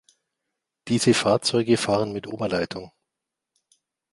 Diese Fahrzeuge fahren mit Oberleitung.